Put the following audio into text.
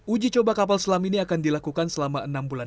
uji coba kapal selam ini akan dilakukan selama enam bulan